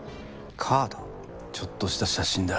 ちょっとした写真だ。